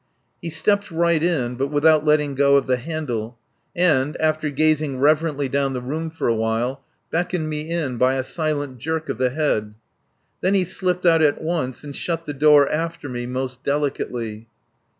He stepped right in (but without letting go of the handle) and, after gazing reverently down the room for a while, beckoned me in by a silent jerk of the head. Then he slipped out at once and shut the door after me most delicately.